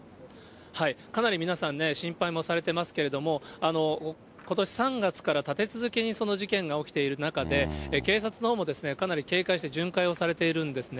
かなり皆さんね、心配もされてますけれども、ことし３月から立て続けに事件が起きている中で、警察のほうも、かなり警戒して、巡回をされているんですね。